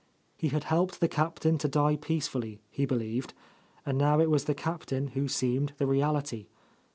He had helped the Cap tain to die peacefully, he believed ; and now it was the Captain who seemed the reality.